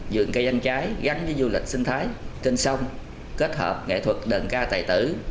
dường cây danh trái gắn với du lịch sinh thái trên sông kết hợp nghệ thuật đền ca tài tử